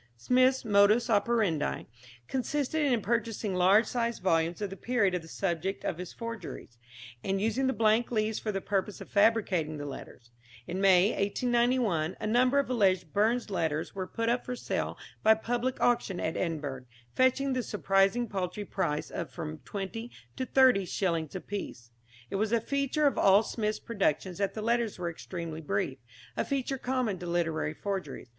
Smith's modus operandi consisted in purchasing large sized volumes of the period of the subjects of his forgeries, and using the blank leaves for the purpose of fabricating the letters. In May, 1891, a number of alleged Burns' letters were put up for sale by public auction at Edinburgh, fetching the surprising paltry price of from twenty to thirty shillings apiece. It was a feature of all Smith's productions that the letters were extremely brief a feature common to literary forgeries.